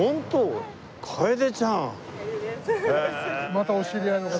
またお知り合いの方。